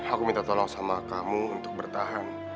aku minta tolong sama kamu untuk bertahan